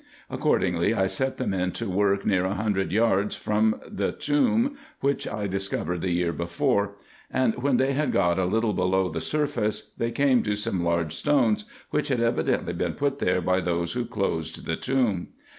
Accordingly, I set the men to work near a hundred yards from the tomb which I dis covered the year before ; and when they had got a little below the surface, they came to some large stones, which had evidently been put there by those who closed the tomb.